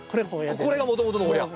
これがもともとの親。